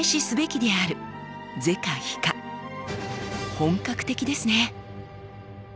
本格的ですね。